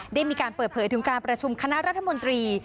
ได้มีการเปิดเผยถึงการประชุมคณะรัฐมนตรี